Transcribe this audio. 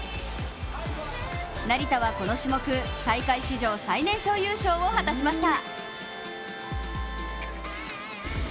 成田はこの種目、大会史上最年少優勝を果たしました。